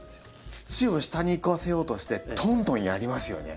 土を下に行かせようとしてトントンやりますよね。